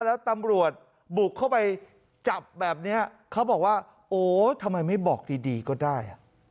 แล้วตำรวจบุกเข้าไปจับแบบนี้เขาบอกว่าโอ้ทำไมไม่บอกดีก็ได้